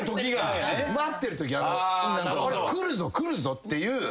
待ってるとき来るぞ来るぞっていう。